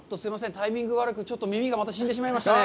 タイミング悪く、また耳が死んでしまいましたね。